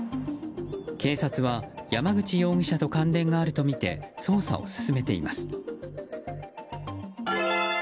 警察は、山口容疑者と関連があるとみて捜査を進めています。